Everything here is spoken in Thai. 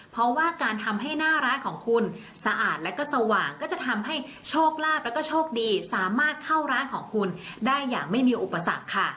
เพราะว่าการทำให้หน้าร้านของคุณสะอาดแล้วก็สว่างก็จะทำให้โชคลาภแล้วก็โชคดีสามารถเข้าร้านของคุณได้อย่างไม่มีอุปสรรคค่ะ